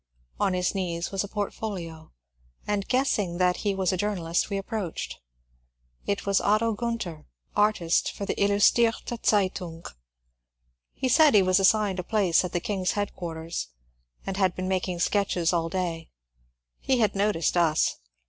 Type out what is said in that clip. On his knees was a portfolio, and guessing that he was a journalist, we approached. It was Otto Gunther, artist for the ^^ Blustrirte Zeitung." He said he was assigned a place at the King's headquarters, and had been making sketches all day. He had noticed us.